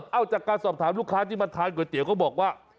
จากการสอบถามลูกค้าที่มาทานก๋วยเตี๋ยวก็บอกว่า